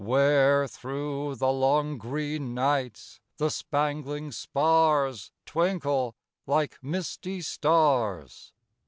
Where, through the long green nights, the spangling spars Twinkle like misty stars.